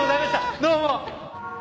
どうも！